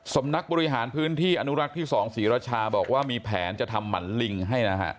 สำนักบริหารพื้นที่อนุรักษ์ที่๒ศรีรชาบอกว่ามีแผนจะทำหมันลิงให้นะฮะ